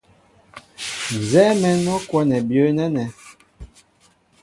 Nzɛ́ɛ́ mɛ̌n mɔ́ kwɔ́nɛ byə̌ nɛ́nɛ́.